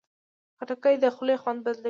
خټکی د خولې خوند بدلوي.